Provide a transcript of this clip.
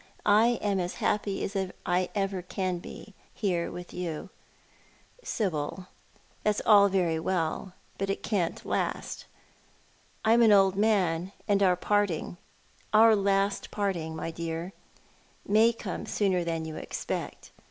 I am as happy as I ever can be, here with you." " Sibyl, that's all very well, but it can't last. I am an old man, and our parting — our last parting, my dear^— may come sooner than you expect.